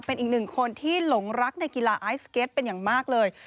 เป็นอีกหนึ่งคนที่หลงรักในกีฬาไอซ์สเก็ตเป็นอย่างมากเลย